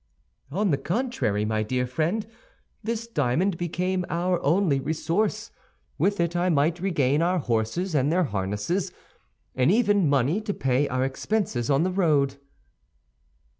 "On the contrary, my dear friend, this diamond became our only resource; with it I might regain our horses and their harnesses, and even money to pay our expenses on the road."